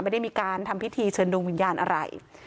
ไม่ได้มีการทำพิธีเชิญดวงวิญญาณอะไร